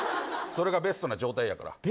それがベストな状況やから。